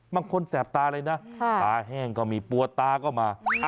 แสบตาเลยนะตาแห้งก็มีปวดตาก็มา